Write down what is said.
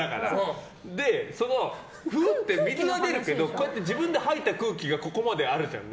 そのフーって水が出るけど自分で吐いた空気がここまであるじゃん。